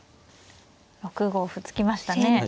６五歩突きましたね。